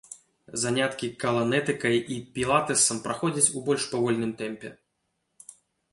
Заняткі каланэтыкай і пілатэсам праходзяць у больш павольным тэмпе.